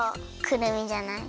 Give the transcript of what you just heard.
くるみじゃない？